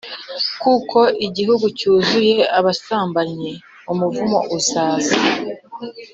Kuko igihugu cyuzuye abasambanyi umuvumo uzaza